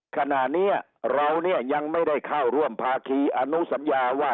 ขณะนี้เราเนี่ยยังไม่ได้เข้าร่วมภาคีอนุสัญญาว่า